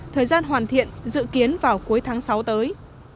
thời gian hoàn thiện dự kiến vào cuối tháng sáu tới